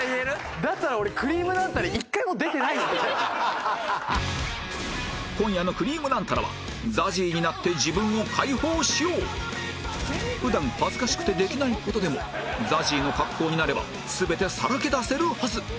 だったら俺今夜の『くりぃむナンタラ』は普段恥ずかしくてできない事でも ＺＡＺＹ の格好になれば全てさらけ出せるはず！